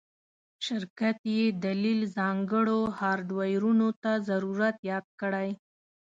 شرکت یی دلیل ځانګړو هارډویرونو ته ضرورت یاد کړی